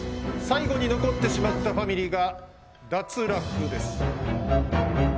最後に残ってしまったファミリーが脱落です。